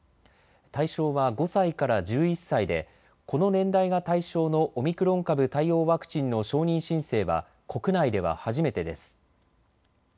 対象は５歳から１１歳でこの年代が対象のオミクロン株対応ワクチンの承認申請は国内では初めてです。